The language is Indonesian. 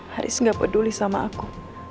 haris gak peduli sama aku